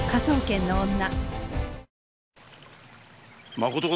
まことか？